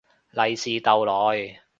利是逗來